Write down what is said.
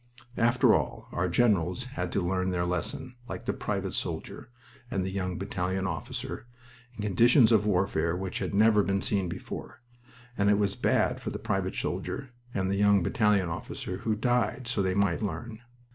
After all, our generals had to learn their lesson, like the private soldier, and the young battalion officer, in conditions of warfare which had never been seen before and it was bad for the private soldier and the young battalion officer, who died so they might learn.